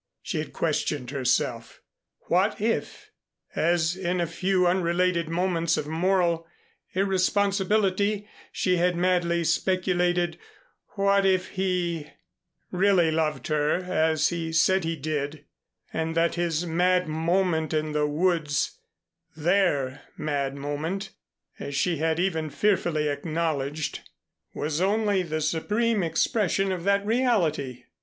She had questioned herself, "What if," as in a few unrelated moments of moral irresponsibility she had madly speculated, "what if he really loved her as he said he did and that his mad moment in the woods their mad moment, as she had even fearfully acknowledged, was only the supreme expression of that reality?"